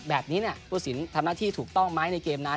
แบบนี้ผู้สินทำหน้าที่ถูกต้องไหมในเกมนั้น